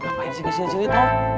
ngapain sih ke sini cilita